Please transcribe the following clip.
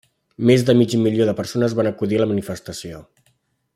Més de mig milió de persones van acudir a la manifestació.